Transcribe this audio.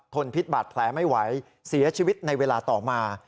พิษบาดแผลไม่ไหวเสียชีวิตในเวลาต่อมา